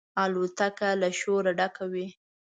الوتکه له شوره ډکه وي.